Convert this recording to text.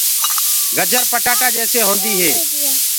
گجر پٽآٽآ جيسي هوندي هي۔